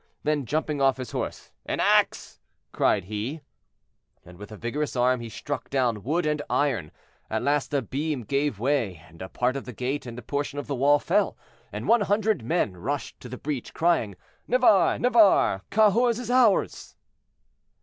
Then, jumping off his horse, "An ax!" cried he, and with a vigorous arm he struck down wood and iron. At last a beam gave way, and a part of the gate and a portion of the wall fell, and one hundred men rushed to the breach, crying, "Navarre! Navarre! Cahors is ours!"